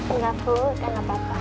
enggak bu enggak apa apa